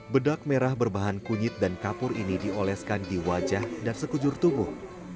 bedak merah berbahan kunyit dan kapur ini dioleskan di wajah dan sekujur tubuh